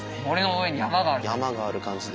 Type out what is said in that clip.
山がある感じで。